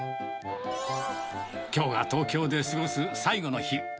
きょうが東京で過ごす最後の日。